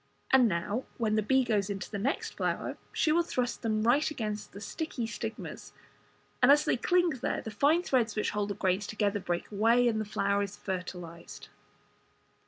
And now, when the bee goes into the next flower, she will thrust them right against the sticky stigmas, and as they cling there the fine threads which hold the grains together break away, and the flower is fertilized.